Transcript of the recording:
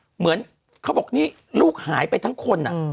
เหมือนเขาบอกนี่ลูกหายไปทั้งคน